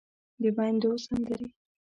د ميندو سندرې